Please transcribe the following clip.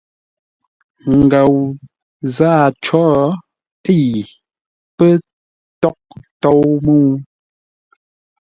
Ngou zâa có yi pə́ tághʼ tôu mə́u.